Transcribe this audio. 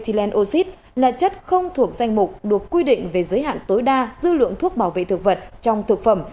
zelenoxid là chất không thuộc danh mục được quy định về giới hạn tối đa dư lượng thuốc bảo vệ thực vật trong thực phẩm